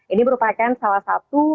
ini merupakan salah satu